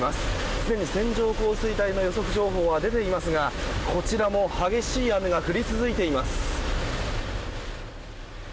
すでに線状降水帯の予測情報は出ていますがこちらも、激しい雨が降り続いています。